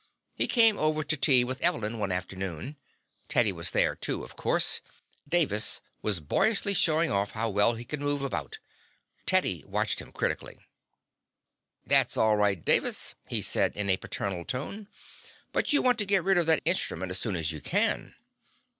He came over to tea with Evelyn one afternoon. Teddy was there, too, of course. Davis was boyishly showing off how well he could move about Teddy watched him critically. "That's all right, Davis," he said in a paternal tone, "but you want to get rid of that instrument as soon as you can."